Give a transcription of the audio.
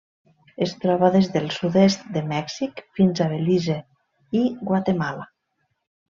Es troba des del sud-est de Mèxic fins a Belize i Guatemala.